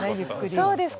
そうですか。